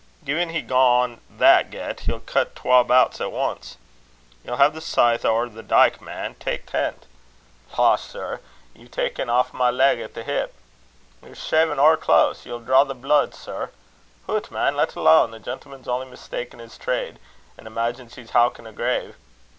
"Gin he gang on that get, he'll cut twa bouts at ance." "Ye'll hae the scythe ower the dyke, man. Tak' tent." "Losh! sir; ye've taen aff my leg at the hip!" "Ye're shavin' ower close: ye'll draw the bluid, sir." "Hoot, man! lat alane. The gentleman's only mista'en his trade, an' imaigins he's howkin' a grave."